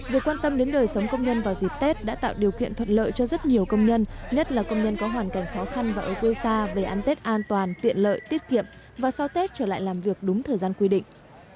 việc quan tâm đến đời sống công nhân vào dịp tết đã tạo điều kiện thuận lợi cho rất nhiều công nhân nhất là công nhân có hoàn cảnh khó khăn và ở quê xa về ăn tết an toàn tiện lợi tiết kiệm và sau tết trở lại làm việc đúng thời gian quy định